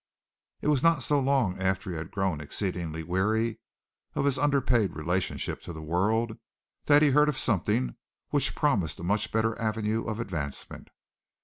It was not so long after he had grown exceedingly weary of his underpaid relationship to the World that he heard of something which promised a much better avenue of advancement.